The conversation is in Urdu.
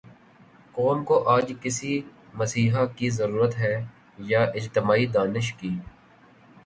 قوم کو آج کسی مسیحا کی ضرورت ہے یا اجتماعی دانش کی؟